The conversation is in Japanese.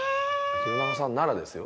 弘中さんならですよ。